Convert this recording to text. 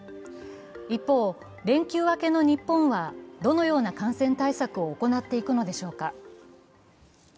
一方、連休明けの日本はどのような感染対策を行っていくのでしょうか。